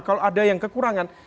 kalau ada yang kekurangan